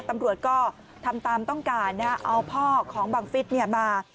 ตำรวจก็ทำตามต้องการเอาพ่อของบังฟิศมา